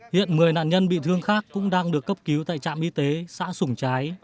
hiện một mươi nạn nhân bị thương khác cũng đang được cấp cứu tại trạm y tế xã sủng trái